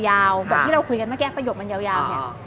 แบบที่เราคุยกันเมื่อกี้ประโยคมันยาวเนี่ย